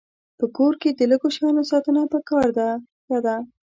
په کور کې د لږو شیانو ساتنه پکار ده ښه ده.